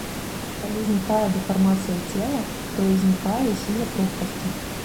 Калі знікае дэфармацыя цела, тое знікае і сіла пругкасці.